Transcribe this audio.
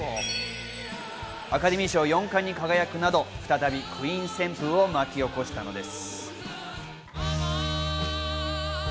アカデミー賞４冠に輝くなど、再びＱＵＥＥＮ旋風を巻き起こしたのです。